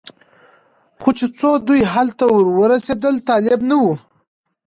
خو چې څو دوی هلته ور ورسېدل طالب نه و.